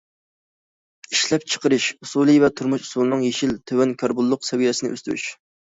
ئىشلەپچىقىرىش ئۇسۇلى ۋە تۇرمۇش ئۇسۇلىنىڭ يېشىل، تۆۋەن كاربونلۇق سەۋىيەسىنى ئۆستۈرۈش.